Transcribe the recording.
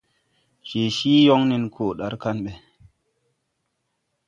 Je cii yoŋ nen koo dar kaŋ ɓɛ.